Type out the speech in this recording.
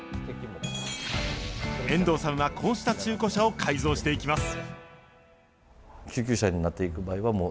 遠藤さんはこうした中古車を改造していきます。